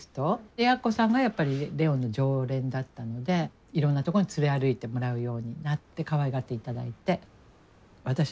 でヤッコさんがやっぱりレオンの常連だったのでいろんなとこに連れ歩いてもらうようになってかわいがっていただいて。